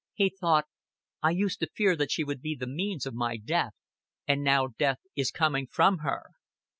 He thought: "I used to fear that she would be the means of my death, and now death is coming from her.